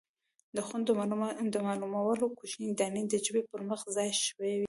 د خوند د معلومولو کوچنۍ دانې د ژبې پر مخ ځای شوي دي.